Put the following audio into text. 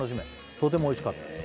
「とてもおいしかったです